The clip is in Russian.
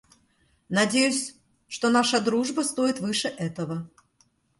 Надеюсь, что наша дружба стоит выше этого.